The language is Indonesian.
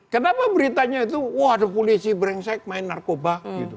kenapa beritanya itu wah ada polisi brengsek main narkoba